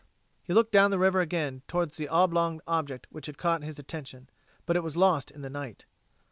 He looked down the river again towards the oblong object which had caught his attention, but it was lost in the night.